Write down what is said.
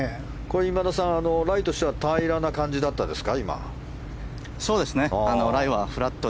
今田さん、ライとしては平らな感じでしたか？